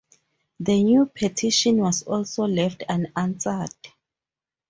The new petition was also left unanswered.